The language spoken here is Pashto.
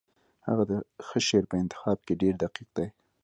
هغه د ښه شعر په انتخاب کې ډېر دقیق دی